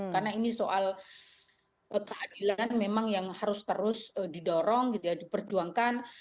karena ini soal keadilan memang yang harus terus didorong diperjuangkan